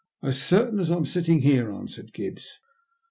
" As certain as I'm sitting here," answered Gibbs.